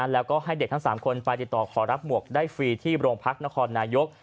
แล้วก็ให้เด็กทั้ง๓คนไปติดต่อขอรับหมวกได้ฟรีที่โรงพักนครนายก